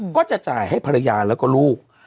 ก็จะจ่ายให้ภรรยาแล้วก็ลูก